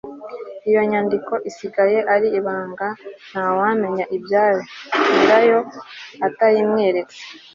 iyo nyandiko isigara ari ibanga ntawamenya ibyayo nyirayo atayimweretse